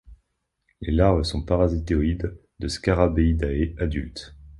Les larves sont parasitoïdes de scarabeidae adultes.